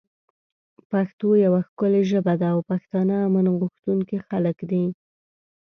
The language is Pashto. پښتو یوه ښکلی ژبه ده او پښتانه امن غوښتونکی خلک دی